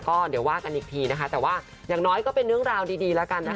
ก็เดี๋ยวว่ากันอีกทีนะคะแต่ว่าอย่างน้อยก็เป็นเรื่องราวดีแล้วกันนะคะ